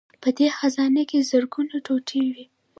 په دې خزانه کې زرګونه ټوټې وې